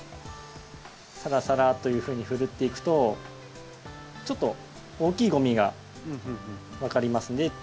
サラサラというふうにふるっていくとちょっと大きいゴミが分かりますね。